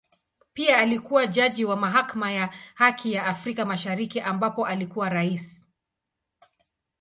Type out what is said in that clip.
Pia alikua jaji wa Mahakama ya Haki ya Afrika Mashariki ambapo alikuwa Rais.